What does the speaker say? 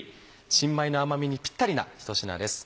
新米の甘みにピッタリなひと品です。